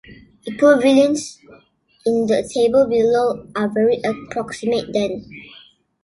Equivalents in the table below are very approximate, then.